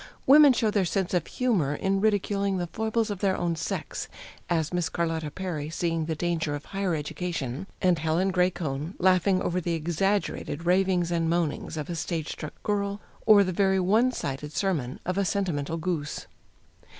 Women show their sense of humor in ridiculing the foibles of their own sex, as Miss Carlotta Perry seeing the danger of "higher education," and Helen Gray Cone laughing over the exaggerated ravings and moanings of a stage struck girl, or the very one sided sermon of a sentimental goose.